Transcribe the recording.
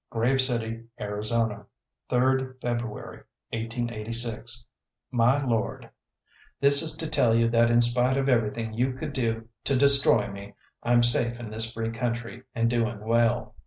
"'GRAVE CITY, ARIZONA, "'3rd February, 1886. "'MY LORD, "'This is to tell you that in spite of everything you could do to destroy me, I'm safe in this free country, and doing well.